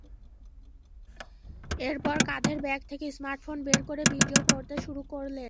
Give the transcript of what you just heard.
এরপর কাঁধের ব্যাগ থেকে স্মার্টফোন বের করে ভিডিও করতে শুরু করলেন।